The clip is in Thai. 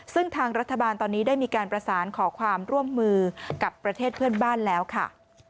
ซึ่งทางรัฐบาลตอนนี้ได้มีการประสานขอความร่วมมือกับประเทศเพื่อนบ้านแล้วค่ะ